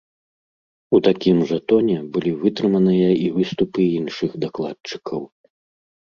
У такім жа тоне былі вытрыманыя і выступы іншых дакладчыкаў.